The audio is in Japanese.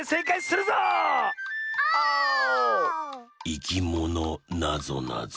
「いきものなぞなぞ」